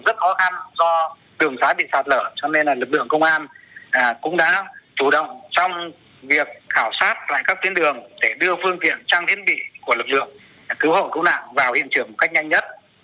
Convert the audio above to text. rất khó khăn do tường tái bị sạt lở cho nên lực lượng công an cũng đã chủ động trong việc khảo sát lại các tuyến đường để đưa phương tiện trang thiết bị của lực lượng cứu hộ cứu nạn vào hiện trường một cách nhanh nhất